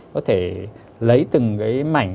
có thể lấy từng cái mảnh